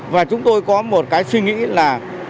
và chúng tôi có một cái suy nghĩ là